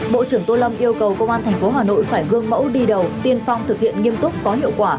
bộ trưởng tô lâm yêu cầu công an tp hà nội phải gương mẫu đi đầu tiên phong thực hiện nghiêm túc có hiệu quả